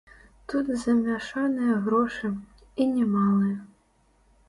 Тут замяшаныя грошы, і немалыя.